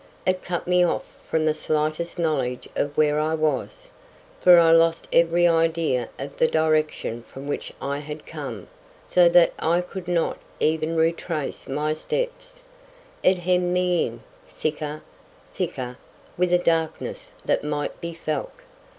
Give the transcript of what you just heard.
It cut me off from the slightest knowledge of where I was, for I lost every idea of the direction from which I had come, so that I could not even retrace my steps; it hemmed me in, thicker, thicker, with a darkness that might be felt.